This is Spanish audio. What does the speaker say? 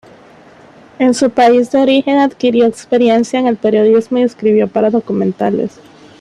En su país de origen adquirió experiencia en el periodismo y escribió para documentales.